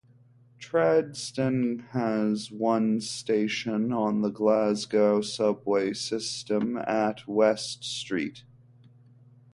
Tradeston has one station on the Glasgow Subway system at West Street.